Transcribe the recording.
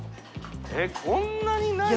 えっこんなにない？